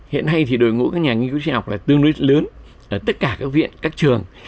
hiện nay thì đội ngũ các nhà nghiên cứu sinh học là tương đối lớn ở tất cả các viện các trường